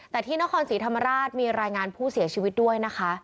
แต่ที่นครศรีธรรมราชมีรายงานผู้เสียชีวิตด้วยนะคะ